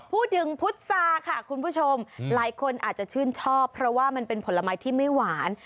พูดถึงพุษาค่ะคุณผู้ชมหลายคนอาจจะชื่นชอบเพราะว่ามันเป็นผลไม้ที่ไม่หวาน